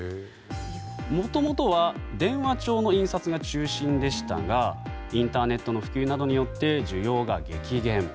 もともとは電話帳の印刷が中心でしたがインターネットの普及などによって需要が激減。